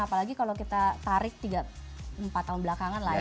apalagi kalau kita tarik tiga empat tahun belakangan lah ya